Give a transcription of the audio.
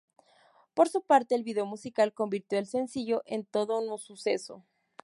Por su parte, el video musical convirtió al sencillo en todo un suceso.